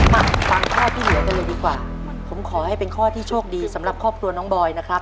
มาฟังข้อที่เหลือกันเลยดีกว่าผมขอให้เป็นข้อที่โชคดีสำหรับครอบครัวน้องบอยนะครับ